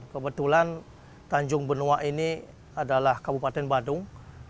kebetulan tanjung benoa ini adalah kabupaten badung